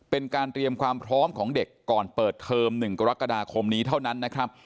เป็นการเตรียมความพร้อมของเด็กก่อนเปิดเทอม๑กรกฎาคมนี้เท่านั้นนะครับ